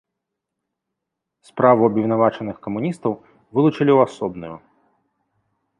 Справу абвінавачаных-камуністаў вылучылі ў асобную.